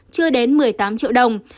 chưa đến một mươi tám triệu đồng